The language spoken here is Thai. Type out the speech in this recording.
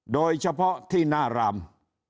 โดยเฉพาะที่หน้าราม